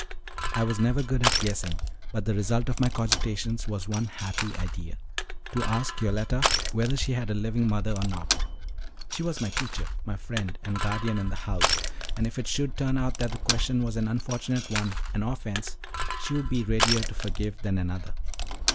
I was never good at guessing, but the result of my cogitations was one happy idea to ask Yoletta whether she had a living mother or not? She was my teacher, my friend and guardian in the house, and if it should turn out that the question was an unfortunate one, an offense, she would be readier to forgive than another.